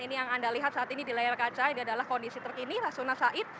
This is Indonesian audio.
ini yang anda lihat saat ini di layar kaca ini adalah kondisi terkini rasuna said